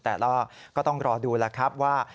แต่เราก็ต้องรอดูแล้วครับว่า